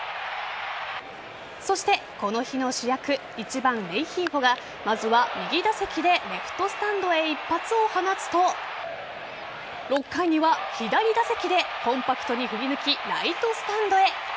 そして、この日の主役１番・レンヒーフォがまずは右打席でレフトスタンドへ一発を放つと６回には左打席でコンパクトに振り抜きライトスタンドへ。